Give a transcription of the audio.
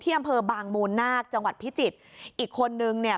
อำเภอบางมูลนาคจังหวัดพิจิตรอีกคนนึงเนี่ย